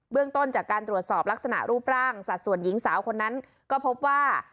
เรื่องต้นจากการตรวจสอบลักษณะรูปร่างสัดส่วนหญิงสาวคนนั้นก็พบว่า